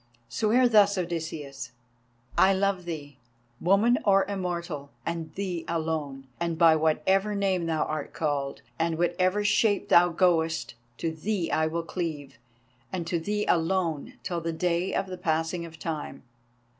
Swear thus, Odysseus: 'I love thee, Woman or Immortal, and thee alone, and by whatever name thou art called, and in whatever shape thou goest, to thee I will cleave, and to thee alone, till the day of the passing of Time.